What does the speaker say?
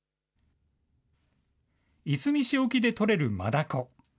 いすみ市沖で取れるマダコ。